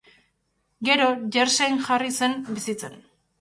Gero, Jerseyn jarri zen bizitzen.